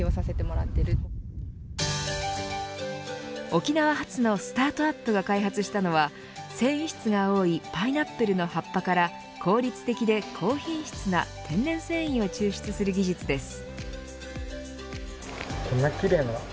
沖縄発のスタートアップが開発したのは繊維質が多いパイナップルの葉っぱから効率的で高品質な天然繊維を抽出する技術です。